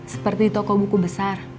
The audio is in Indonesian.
seperti toko buku besar